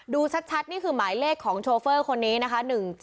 ดูชัดนี่คือหมายเลขของโชเฟอร์คนนี้นะคะ